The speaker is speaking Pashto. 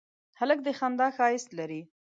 هلک د خندا ښایست لري.